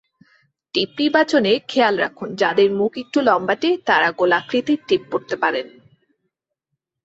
টিপ নির্বাচনে খেয়াল রাখুনযাঁদের মুখ একটু লম্বাটে, তাঁরা গোলাকৃতির টিপ পরতে পারেন।